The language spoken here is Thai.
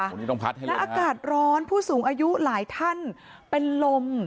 อากาศร้อนผู้สูงอายุหลายท่านเป็นลม